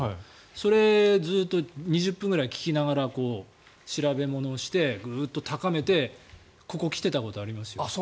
それ、ずっと２０分くらい聴きながら調べ物をしてグーっと高めてここに来ていたことありますよ。